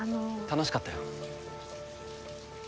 楽しかったよ。